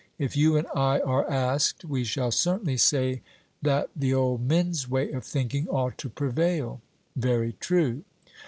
If you and I are asked, we shall certainly say that the old men's way of thinking ought to prevail. 'Very true.'